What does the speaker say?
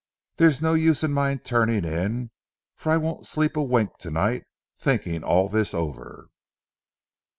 There's no use in my turning in, for I won't sleep a wink to night, thinking all this over."